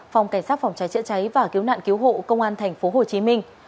phòng cảnh sát phòng trái chữa cháy và cứu nạn cứu hộ công an tp hồ chí minh